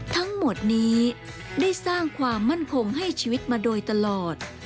ทั้งหมดนี้ได้สร้างความมั่นคงให้ชีวิตมาโดยตลอด